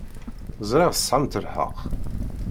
Ẓṛiɣ tesɛamt lḥeq.